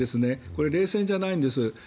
これ、冷戦じゃないんです。